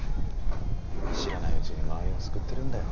知らないうちに周りを救ってるんだよ